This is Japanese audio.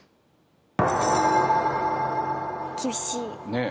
ねえ。